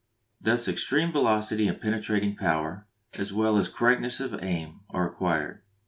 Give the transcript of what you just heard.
Thus extreme velocity and penetrating power, as well as correctness of aim, are acquired.